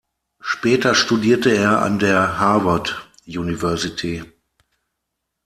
Später studierte er an der Harvard University.